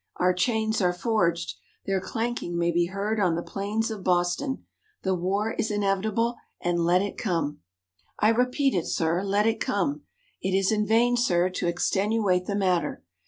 Our chains are forged! Their clanking may be heard on the plains of Boston! The war is inevitable and let it come! "I repeat it, sir, let it come! It is in vain, sir, to extenuate the matter!